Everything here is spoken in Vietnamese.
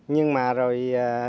nhưng mà rồi